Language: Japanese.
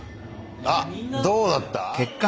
あっどうなった？